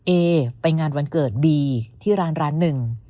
เอไปงานวันเกิดบีที่ร้านร้านหนึ่ง